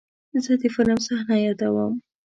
زه د فلم صحنه یادوم.